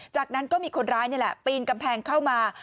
จากนั้นก็มีคนร้ายนี่แหละปีนกำแพงเข้ามา